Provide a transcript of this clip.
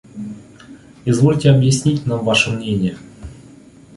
– Извольте объяснить нам ваше мнение».